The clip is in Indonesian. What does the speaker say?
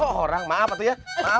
oh orang maaf tuh ya